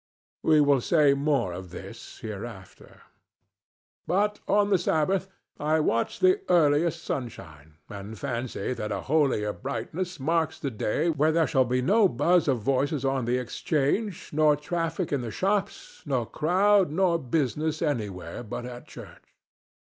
We will say more of this hereafter. But on the Sabbath I watch the earliest sunshine and fancy that a holier brightness marks the day when there shall be no buzz of voices on the Exchange nor traffic in the shops, nor crowd nor business anywhere but at church.